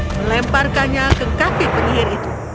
melemparkannya ke kaki penyihir itu